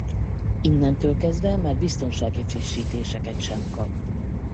Innentől kezdve már biztonsági frissítéseket sem kap.